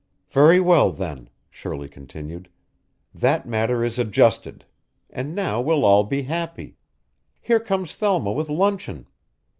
"Very well, then," Shirley continued. "That matter is adjusted, and now we'll all be happy. Here comes Thelma with luncheon.